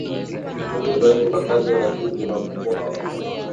Ukichunguza zaidi wakazi wa asili wa Mkoa wa Mara